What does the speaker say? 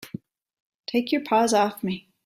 Take your paws off me!